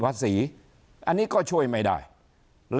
เขาก็ไปร้องเรียน